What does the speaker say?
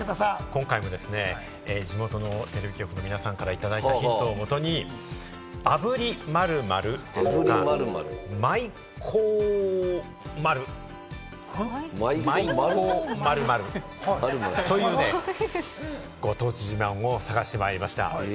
今回も地元のテレビ局の皆さんからいただいたヒントをもとに、あぶり○○ですとか、まいこ〇〇。まいこ○○というね、ご当地自慢を探してまいりました。